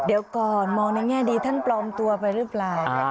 เดี๋ยวก่อนมองในแง่ดีท่านปลอมตัวไปหรือเปล่า